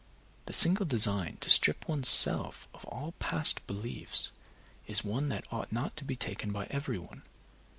The single design to strip one's self of all past beliefs is one that ought not to be taken by every one.